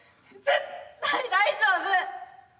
絶対大丈夫！